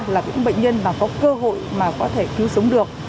là những bệnh nhân mà có cơ hội mà có thể cứu sống được